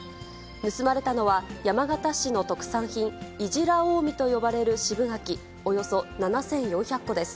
盗まれたのは、山県市の特産品、伊自良大実と呼ばれる渋柿およそ７４００個です。